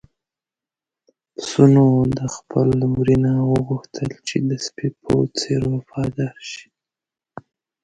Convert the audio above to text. پسونو د خپل وري نه وغوښتل چې د سپي په څېر وفادار شي.